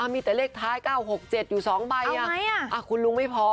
มีแต่เลขท้าย๙๖๗อยู่๒ใบคุณลุงไม่พอ